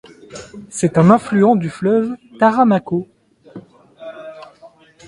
C'est un affluent du fleuve Taramakau.